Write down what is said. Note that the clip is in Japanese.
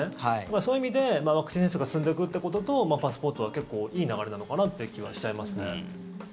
そういう意味でワクチン接種が進んでいくということとパスポートは結構いい流れなのかなって気はしちゃいますね。